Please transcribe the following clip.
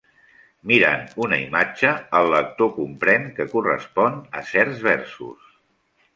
Mirant una imatge, el lector comprèn que correspon a certs versos.